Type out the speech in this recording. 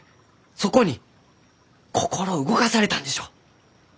そこに心を動かされたんでしょ？